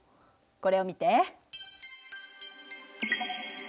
これを見て。